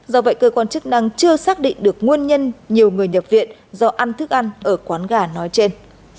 do vậy cơ quan chức năng chưa xác định được nguyên nhân nhiều người nhập viện do ăn thức ăn ở quán gà nói trên